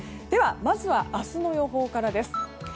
では、まずは明日の予報からです。